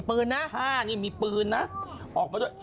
เฮ้ยท่านี่มีปืนนะออกมาด้วย